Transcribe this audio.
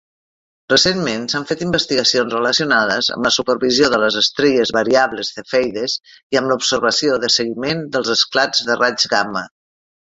Recentment s'han fet investigacions relacionades amb la supervisió de les estrelles variables cefeides i amb l'observació de seguiment dels esclats de raigs gamma.